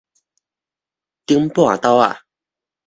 頂半晝仔